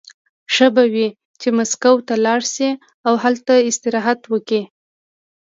ښه به وي چې مسکو ته لاړ شي او استراحت وکړي